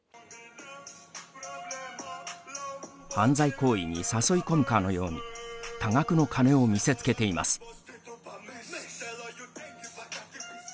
犯罪行為に誘い込むかのように多額の金を見せつけています。